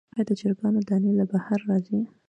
آیا د چرګانو دانی له بهر راځي؟